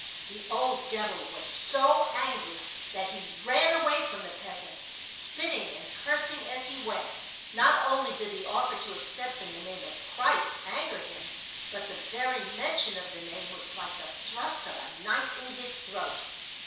The old devil was so angry that he ran away from the peasant, spitting and cursing as he went. Not only did the offer to accept in the name of Christ anger him, but the very mention of the name was like the thrust of a knife in his throat.